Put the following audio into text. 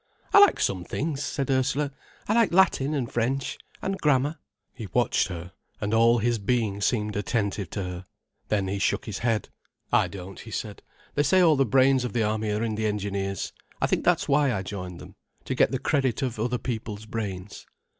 "I like some things," said Ursula. "I like Latin and French—and grammar." He watched her, and all his being seemed attentive to her, then he shook his head. "I don't," he said. "They say all the brains of the army are in the Engineers. I think that's why I joined them—to get the credit of other people's brains."